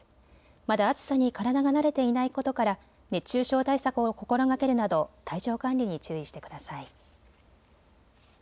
まだ暑さに体が慣れていないことから熱中症対策を心がけるなど体調管理に注意してください。